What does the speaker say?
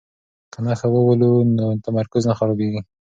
که نښه وولو نو تمرکز نه خرابیږي.